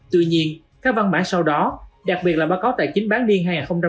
tuy nhiên các văn bản sau đó đặc biệt là báo cáo tài chính bán niên hai nghìn hai mươi